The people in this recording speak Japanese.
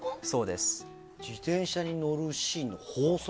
自転車に乗るシーンの法則。